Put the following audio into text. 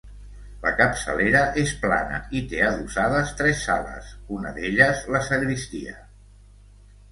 La capçalera és plana i té adossades tres sales, una d'elles, la sagristia.